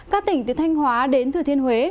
các tỉnh từ thanh hóa đến thừa thiên huế